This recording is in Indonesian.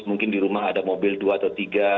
mungkin di rumah ada mobil dua atau tiga